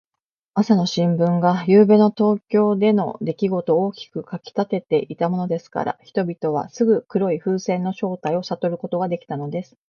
朝の新聞が、ゆうべの東京でのできごとを大きく書きたてていたものですから、人々はすぐ黒い風船の正体をさとることができたのです。